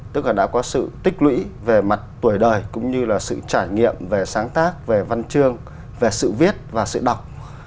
tức là đã có sự tích lũy về mặt tuổi đời cũng như là sự trải nghiệm về sáng tác về văn chương về sự viết và sự đọc